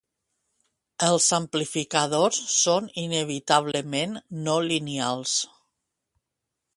Els amplificadors són inevitablement no lineals.